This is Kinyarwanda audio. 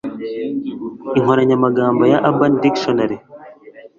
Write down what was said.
Inkoranyamagambo ya Urban Dictionnary